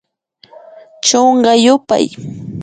Chunka yupay